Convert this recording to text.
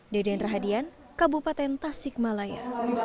deden rahadian kabupaten tasikmalaya